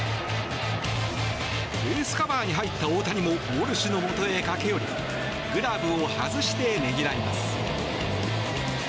ベースカバーに入った大谷もウォルシュのもとへ駆け寄りグラブを外して、ねぎらいます。